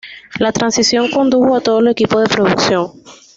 La transición condujo a todo el equipo de producción.